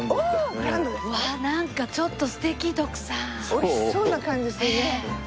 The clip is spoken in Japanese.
美味しそうな感じするね。